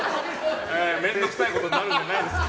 面倒くさいことになるんじゃないですか？